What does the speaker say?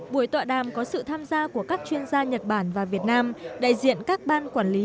buổi tọa đàm có sự tham gia của các chuyên gia nhật bản và việt nam đại diện các ban quản lý